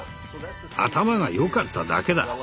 頭が良かっただけだ。